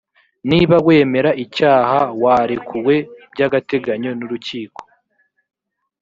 niba wemera icyaha warekuwe by agateganyo n urukiko